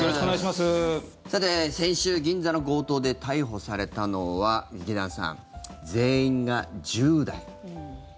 さて、先週銀座の強盗で逮捕されたのは劇団さん、全員が１０代。